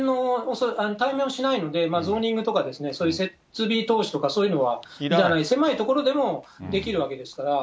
対面をしないので、ゾーニングとか、そういう設備投資とか、いらない、狭い所でもできるわけですから。